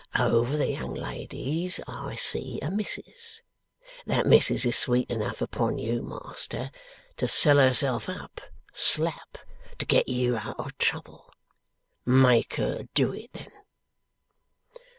Over the young ladies, I see a Missis. That Missis is sweet enough upon you, Master, to sell herself up, slap, to get you out of trouble. Make her do it then.